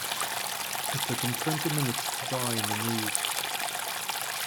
It took him twenty minutes to die in the noose.